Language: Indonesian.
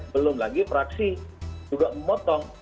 belum lagi fraksi juga memotong